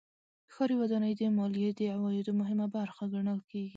ښاري ودانۍ د مالیې د عوایدو مهمه برخه ګڼل کېږي.